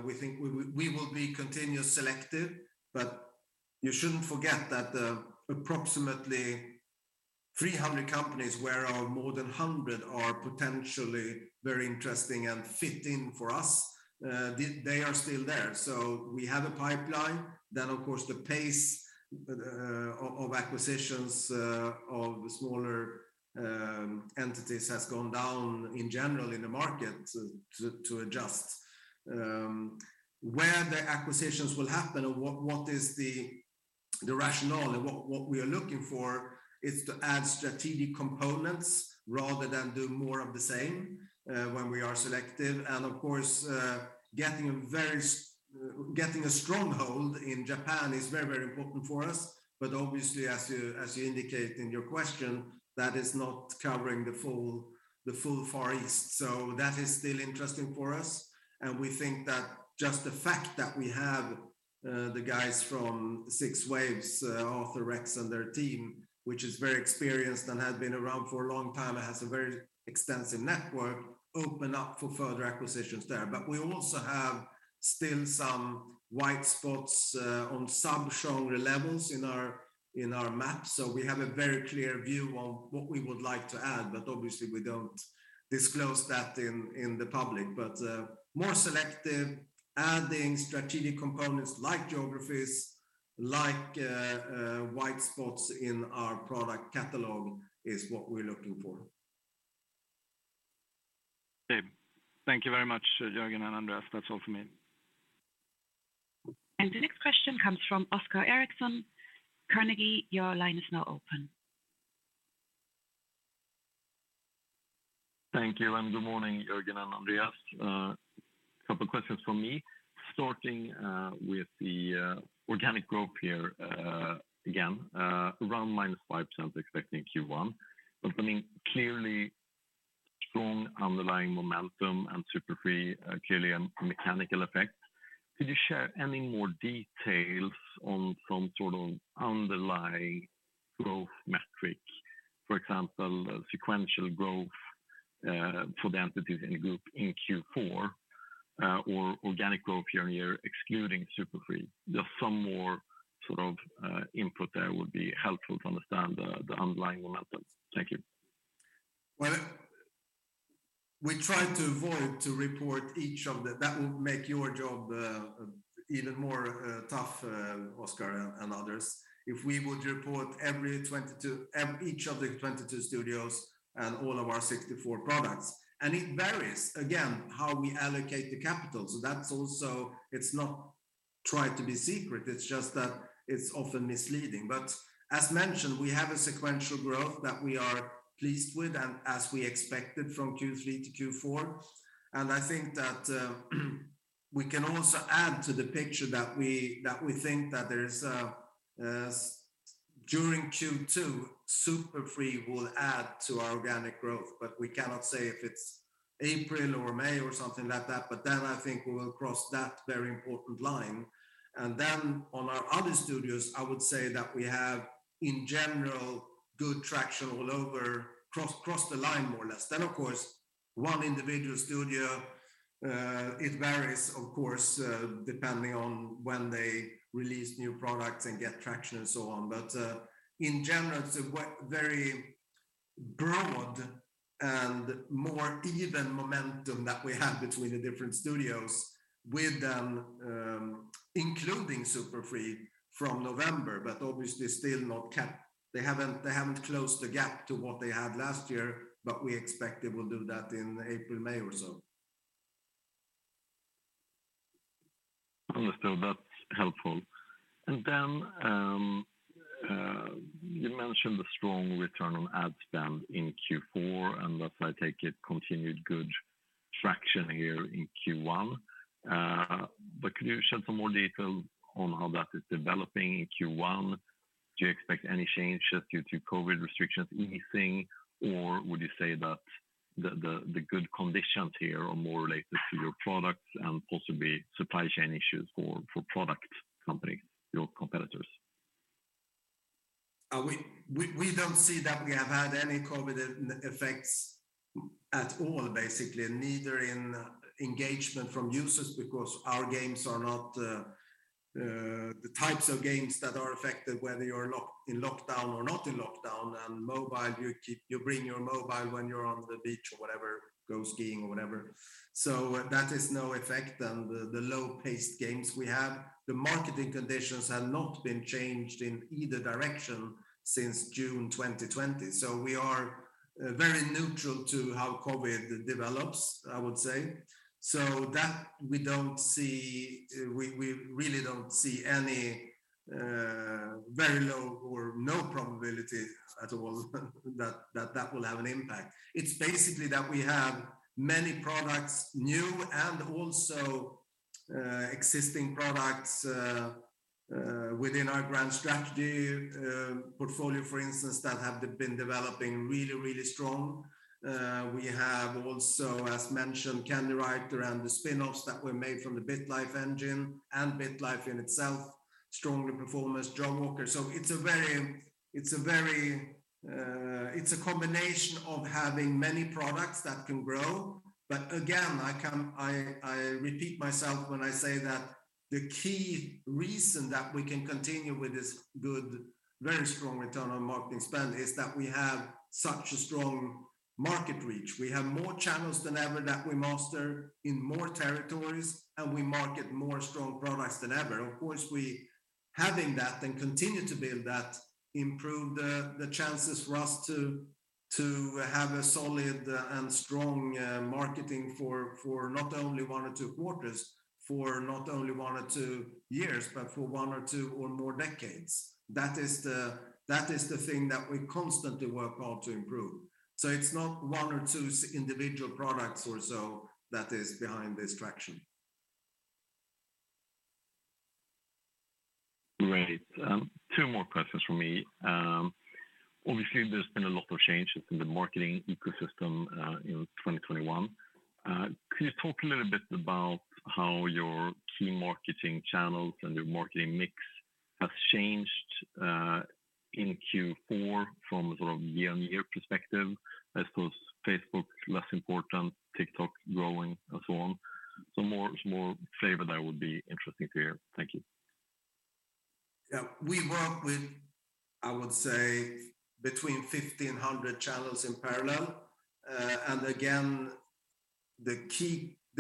we think we will be continuously selective. You shouldn't forget that approximately 300 companies where more than 100 are potentially very interesting and fit in for us, they are still there. We have a pipeline. Of course, the pace of acquisitions of smaller entities has gone down in general in the market to adjust. Where the acquisitions will happen or what is the rationale and what we are looking for is to add strategic components rather than do more of the same when we are selective. Of course, getting a stronghold in Japan is very, very important for us. Obviously, as you indicate in your question, that is not covering the full Far East. That is still interesting for us, and we think that just the fact that we have the guys from 6waves, Arthur, Rex, and their team, which is very experienced and has been around for a long time and has a very extensive network, open up for further acquisitions there. We also have still some white spots on sub-genre levels in our map. We have a very clear view on what we would like to add, but obviously we don't disclose that in the public. More selective, adding strategic components like geographies, like white spots in our product catalog is what we're looking for. Okay. Thank you very much, Jörgen and Andreas. That's all for me. The next question comes from Oscar Erixon. Carnegie, your line is now open. Thank you, and good morning, Jörgen and Andreas. A couple questions from me. Starting with the organic growth here, again, around -5% expecting Q1. I mean, clearly strong underlying momentum and Super Free, clearly a mechanical effect. Could you share any more details on some sort of underlying growth metrics? For example, sequential growth for the entities in the group in Q4, or organic growth year on year excluding Super Free. Just some more sort of input there would be helpful to understand the underlying momentum. Thank you. Well, we try to avoid to report each of the. That would make your job even more tough, Oscar and others, if we would report each of the 22 studios and all of our 64 products. It varies, again, how we allocate the capital. That's also. It's not that we try to be secret, it's just that it's often misleading. As mentioned, we have a sequential growth that we are pleased with and as we expected from Q3 to Q4. I think that we can also add to the picture that we think that there is during Q2, Super Free will add to our organic growth, but we cannot say if it's April or May or something like that. Then I think we will cross that very important line. On our other studios, I would say that we have, in general, good traction all over across the line more or less. Of course, one individual studio, it varies of course, depending on when they release new products and get traction and so on. In general it's a very broad and more even momentum that we have between the different studios with them, including Super Free Games from November, but obviously still not. They haven't closed the gap to what they had last year, but we expect they will do that in April, May or so. Understood. That's helpful. You mentioned the strong return on ad spend in Q4, and thus I take it continued good traction here in Q1. Could you shed some more detail on how that is developing in Q1? Do you expect any changes due to COVID restrictions easing, or would you say that the good conditions here are more related to your products and possibly supply chain issues for product company, your competitors? We don't see that we have had any COVID effects at all, basically. Neither in engagement from users because our games are not the types of games that are affected whether you're in lockdown or not in lockdown, and mobile, you bring your mobile when you're on the beach or whatever, go skiing or whatever. That has no effect on the low-paced games we have. The marketing conditions have not been changed in either direction since June 2020. We are very neutral to how COVID develops, I would say. We really don't see any very low or no probability at all that that will have an impact. It's basically that we have many products, new and also existing products within our grand strategy portfolio, for instance, that have been developing really strong. We have also, as mentioned, Candywriter and the spinoffs that were made from the BitLife engine and BitLife in itself, stronger performance, Jawaker. It's a combination of having many products that can grow. But again, I repeat myself when I say that the key reason that we can continue with this good, very strong return on marketing spend is that we have such a strong market reach. We have more channels than ever that we master in more territories, and we market more strong products than ever. Of course, we have that and continue to build that improve the chances for us to have a solid and strong marketing for not only one or two quarters, for not only one or two years, but for one or two or more decades. That is the thing that we constantly work on to improve. It's not one or two individual products or so that is behind this traction. Great. Two more questions from me. Obviously there's been a lot of changes in the marketing ecosystem in 2021. Can you talk a little bit about how your key marketing channels and your marketing mix has changed in Q4 from a sort of year-over-year perspective? I suppose Facebook less important, TikTok growing and so on. Some more flavor there would be interesting to hear. Thank you. Yeah. We work with, I would say, between 1,500 channels in parallel. Again, the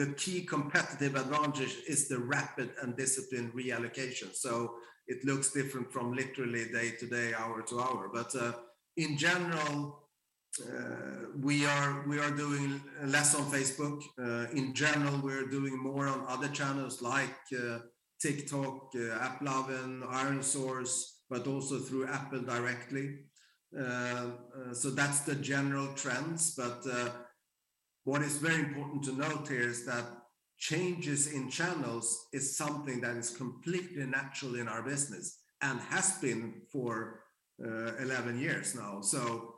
key competitive advantage is the rapid and disciplined reallocation. It looks different from literally day to day, hour to hour. In general, we are doing less on Facebook. In general, we are doing more on other channels like TikTok, AppLovin, ironSource, but also through Apple directly. That's the general trends. What is very important to note here is that changes in channels is something that is completely natural in our business and has been for 11 years now.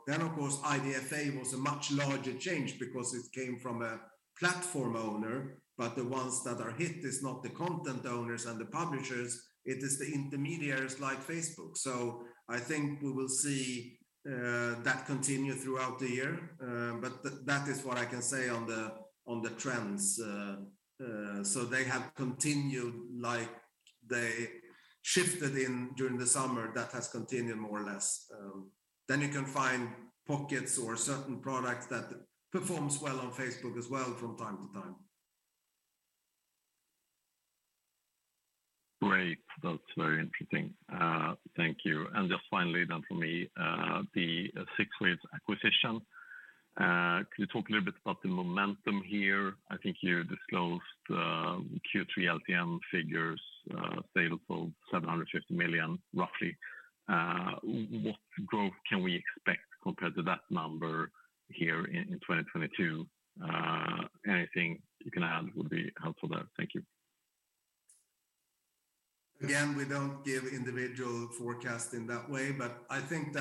Then of course, IDFA was a much larger change because it came from a platform owner, but the ones that are hit is not the content owners and the publishers, it is the intermediaries like Facebook. I think we will see that continue throughout the year. That is what I can say on the trends. They have continued like they shifted in during the summer, that has continued more or less. You can find pockets or certain products that performs well on Facebook as well from time to time. Great. That's very interesting. Thank you. Just finally then from me, the 6waves acquisition. Can you talk a little bit about the momentum here? I think you disclosed Q3 LTM figures, sales of 750 million, roughly. What growth can we expect compared to that number here in 2022? Anything you can add would be helpful there. Thank you. Again, we don't give individual forecast in that way, but I think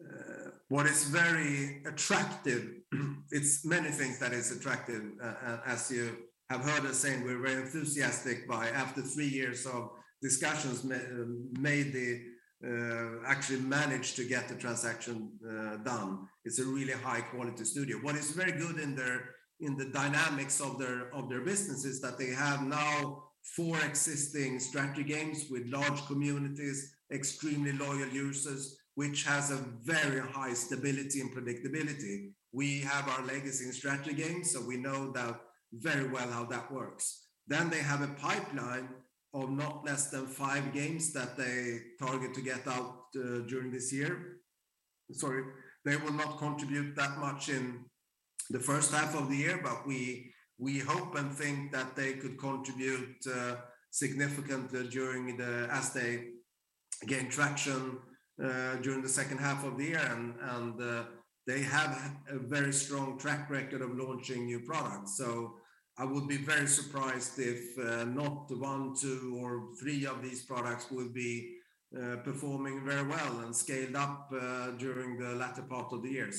that what is very attractive, it's many things that is attractive. As you have heard us saying, we're very enthusiastic about after three years of discussions, we actually managed to get the transaction done. It's a really high-quality studio. What is very good in the dynamics of their business is that they have now four existing strategy games with large communities, extremely loyal users, which has a very high stability and predictability. We have our legacy in strategy games, so we know that very well how that works. They have a pipeline of not less than five games that they target to get out during this year. Sorry. They will not contribute that much in the first half of the year, but we hope and think that they could contribute significantly as they gain traction during the second half of the year. They have a very strong track record of launching new products. I would be very surprised if not one, two, or three of these products will be performing very well and scaled up during the latter part of the year.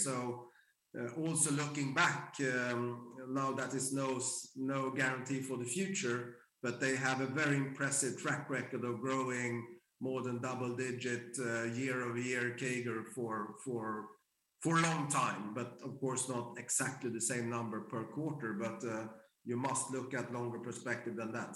Also looking back, now that is no guarantee for the future, but they have a very impressive track record of growing more than double-digit year-over-year CAGR for a long time. Of course not exactly the same number per quarter. You must look at longer perspective than that.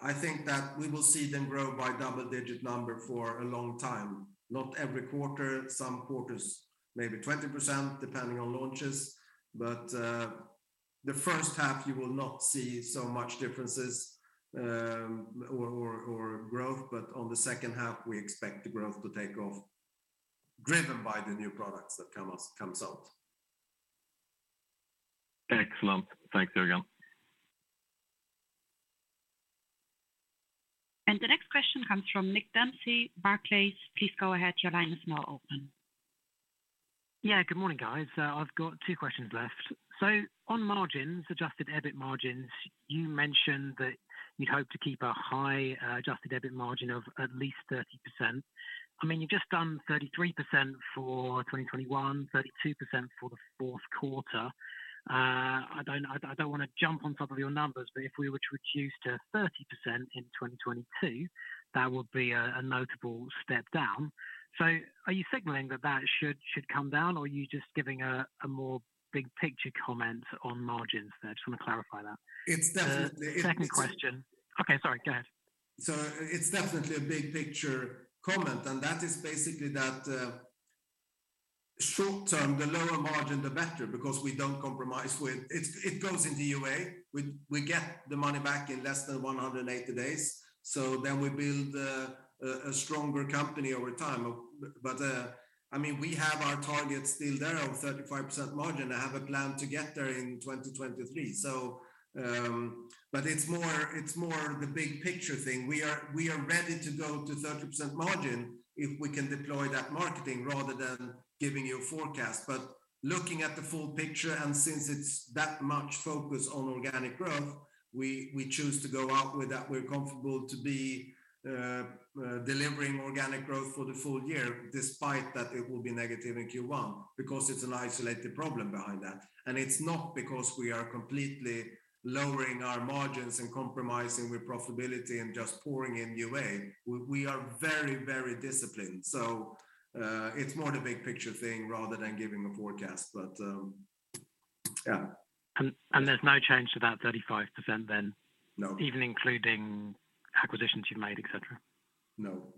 I think that we will see them grow by double digit number for a long time. Not every quarter, some quarters maybe 20% depending on launches. The first half you will not see so much differences, or growth. On the second half, we expect the growth to take off driven by the new products that comes out. Excellent. Thanks, Jörgen. The next question comes from Nick Dempsey, Barclays. Please go ahead, your line is now open. Yeah, good morning, guys. I've got two questions left. On margins, adjusted EBIT margins, you mentioned that you'd hope to keep a high adjusted EBIT margin of at least 30%. I mean, you've just done 33% for 2021, 32% for the fourth quarter. I don't wanna jump on top of your numbers, but if we were to reduce to 30% in 2022, that would be a notable step down. Are you signaling that should come down, or are you just giving a more big picture comment on margins there? Just want to clarify that. It's definitely- The second question. Okay, sorry, go ahead. It's definitely a big picture comment, and that is basically that short term, the lower margin, the better, because we don't compromise. It goes into UA. We get the money back in less than 180 days. We build a stronger company over time. I mean, we have our targets still there of 35% margin. I have a plan to get there in 2023. It's more the big picture thing. We are ready to go to 30% margin if we can deploy that marketing rather than giving you a forecast. Looking at the full picture and since it's that much focus on organic growth, we choose to go out with that. We're comfortable to be delivering organic growth for the full year despite that it will be negative in Q1, because it's an isolated problem behind that. It's not because we are completely lowering our margins and compromising with profitability and just pouring in UA. We are very disciplined. It's more the big picture thing rather than giving a forecast. Yeah. There's no change to that 35% then? No. Even including acquisitions you've made, et cetera? No.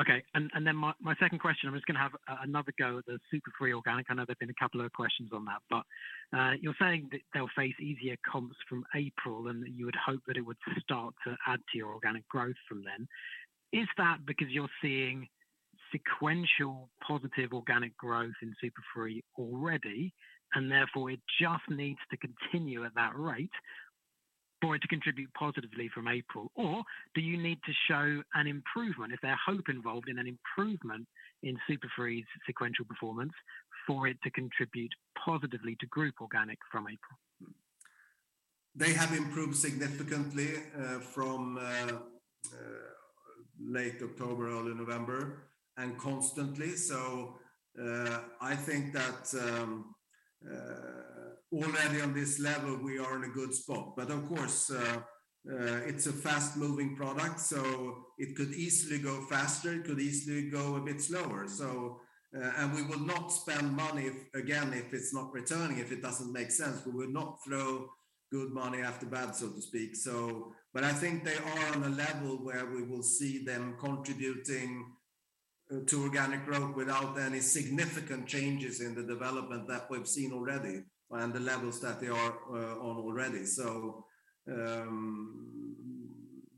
Okay. My second question, I'm just gonna have another go at the Super Free organic. I know there's been a couple of questions on that. You're saying that they'll face easier comps from April, and that you would hope that it would start to add to your organic growth from then. Is that because you're seeing sequential positive organic growth in Super Free already, and therefore it just needs to continue at that rate for it to contribute positively from April? Or do you need to show an improvement, is there hope involved in an improvement in Super Free's sequential performance for it to contribute positively to group organic from April? They have improved significantly from late October, early November, and constantly. I think that already on this level we are in a good spot. Of course, it's a fast-moving product, so it could easily go faster, it could easily go a bit slower. We will not spend money if, again, if it's not returning, if it doesn't make sense. We will not throw good money after bad, so to speak. I think they are on a level where we will see them contributing to organic growth without any significant changes in the development that we've seen already and the levels that they are on already.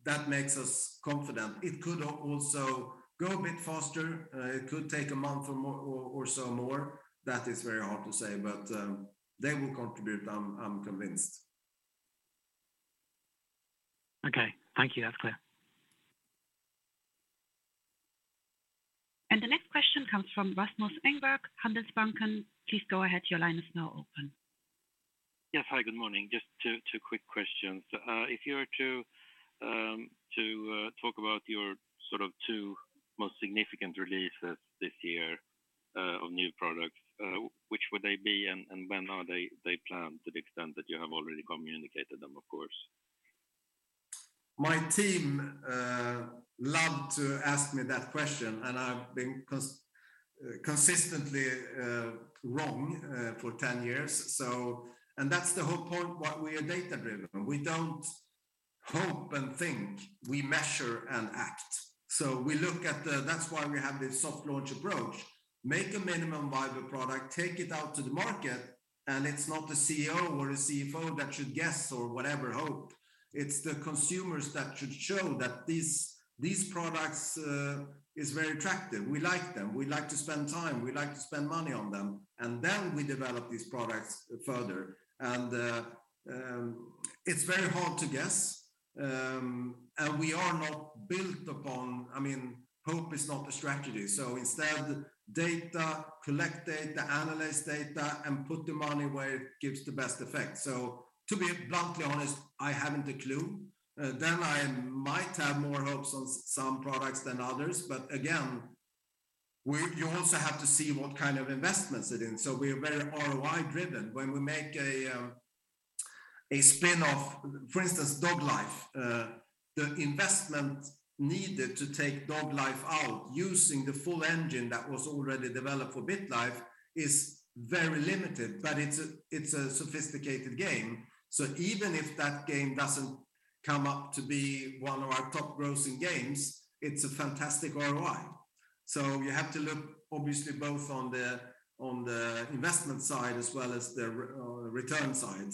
That makes us confident. It could also go a bit faster. It could take a month or more, or so more. That is very hard to say, but they will contribute, I'm convinced. Okay. Thank you. That's clear. The next question comes from Rasmus Engberg, Handelsbanken. Please go ahead. Your line is now open. Yes. Hi, good morning. Just two quick questions. If you were to talk about your sort of two most significant releases this year of new products, which would they be and when are they planned to the extent that you have already communicated them, of course? My team love to ask me that question, and I've been consistently wrong for 10 years. That's the whole point why we are data-driven. We don't hope and think, we measure and act. That's why we have this soft launch approach. Make a minimum viable product, take it out to the market, and it's not the CEO or the CFO that should guess or whatever, hope. It's the consumers that should show that these products is very attractive. We like them. We like to spend time, we like to spend money on them. Then we develop these products further. It's very hard to guess, and we are not built upon. I mean, hope is not a strategy. Instead, data, collect data, analyze data, and put the money where it gives the best effect. To be bluntly honest, I haven't a clue. I might have more hopes on some products than others, but again, you also have to see what kind of investments we're in. We are very ROI-driven. When we make a spin-off, for instance, DogLife, the investment needed to take DogLife out using the full engine that was already developed for BitLife is very limited, but it's a sophisticated game. Even if that game doesn't come up to be one of our top grossing games, it's a fantastic ROI. You have to look obviously both on the investment side as well as the return side.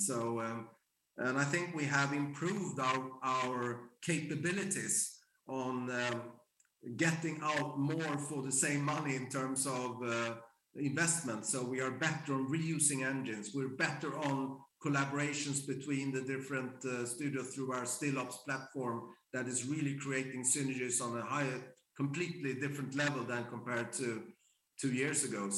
I think we have improved our capabilities on getting out more for the same money in terms of investment. We are better on reusing engines. We're better on collaborations between the different studios through our Stillops platform that is really creating synergies on a higher, completely different level than compared to two years ago.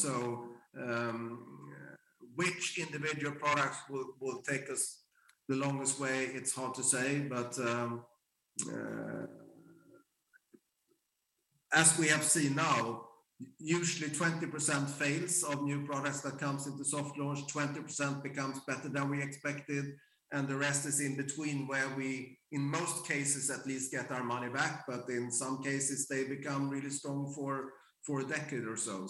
Which individual products will take us the longest way, it's hard to say. As we have seen now, usually 20% fails of new products that comes into soft launch, 20% becomes better than we expected, and the rest is in between where we, in most cases, at least get our money back. In some cases, they become really strong for a decade or so.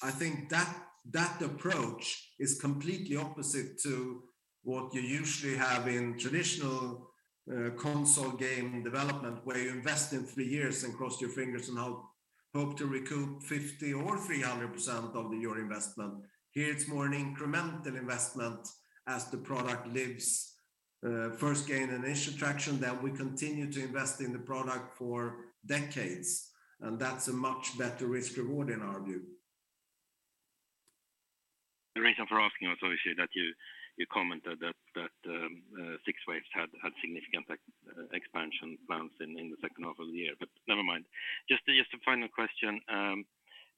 I think that approach is completely opposite to what you usually have in traditional console game development, where you invest in three years and cross your fingers and hope to recoup 50% or 300% of your investment. Here it's more an incremental investment as the product lives. First gain initial traction, then we continue to invest in the product for decades, and that's a much better risk reward in our view. The reason for asking was obviously that you commented that 6waves had significant expansion plans in the second half of the year. Never mind. Just a final question.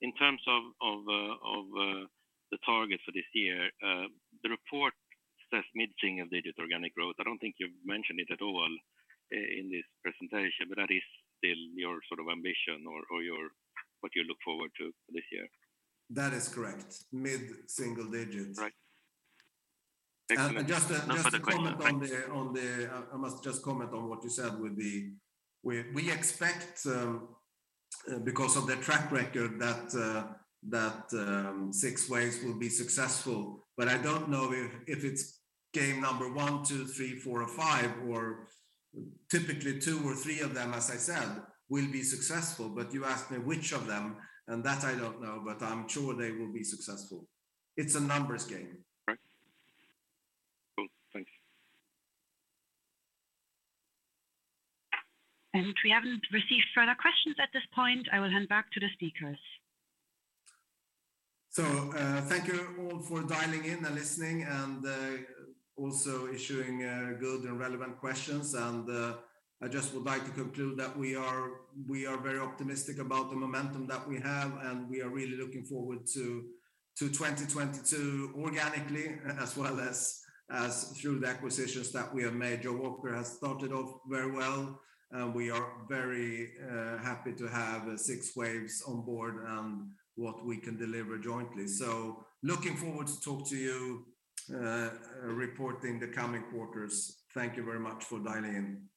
In terms of the targets for this year, the report says mid-single-digit organic growth. I don't think you've mentioned it at all in this presentation, but that is still your sort of ambition or your what you look forward to this year. That is correct. Mid-single digits. Right. Excellent. And just a- No further comment. Thanks. I must just comment on what you said. We expect, because of the track record that 6waves will be successful, but I don't know if it's game number one, two, three, four or five, or typically two or three of them, as I said, will be successful. You asked me which of them, and that I don't know, but I'm sure they will be successful. It's a numbers game. Right. Cool. Thanks. We haven't received further questions at this point. I will hand back to the speakers. Thank you all for dialing in and listening and also issuing good and relevant questions. I just would like to conclude that we are very optimistic about the momentum that we have, and we are really looking forward to 2022 organically as well as through the acquisitions that we have made. Jawaker has started off very well, and we are very happy to have 6waves on board and what we can deliver jointly. Looking forward to talk to you reporting the coming quarters. Thank you very much for dialing in.